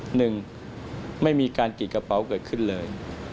หนึ่งไม่มีการกรีดกระเป๋าเกิดขึ้นเลย